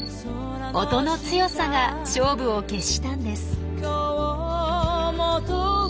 音の強さが勝負を決したんです。